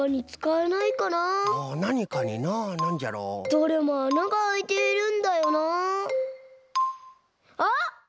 どれも「あながあいている」んだよな。あっ！